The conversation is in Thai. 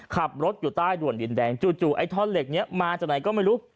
ขับรถอยู่ใต้ด่วนดินแดงจู่ไอ้ท่อนเหล็กนี้มาจากไหนก็ไม่รู้